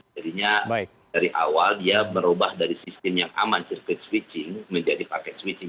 jadinya dari awal dia berubah dari sistem yang aman circuit switching menjadi paket switching